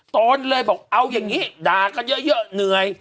ตนเลยบอกเอาอย่างนี้ด่ากันเยอะเหนื่อย